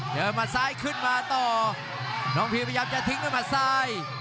หมัดซ้ายขึ้นมาต่อน้องพีมพยายามจะทิ้งด้วยหมัดซ้าย